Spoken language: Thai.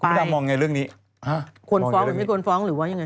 ก็ไม่ได้มองในเรื่องนี้ฮะควรฟ้องหรือไม่ควรฟ้องหรือว่าอย่างไร